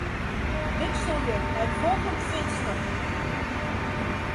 Wikselje nei folgjend finster.